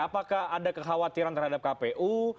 apakah ada kekhawatiran terhadap kpu